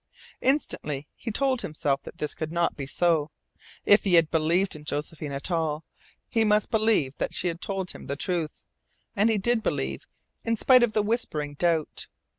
Instantly he told himself that this could not be so. If he believed in Josephine at all, he must believe that she had told him the truth. And he did believe, in spite of the whispering doubt.